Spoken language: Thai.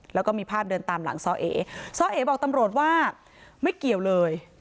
แล้วก็มีภาพเดินตามหลังซ่อเอซ่อเอบอกตำรวจว่าไม่เกี่ยวเลย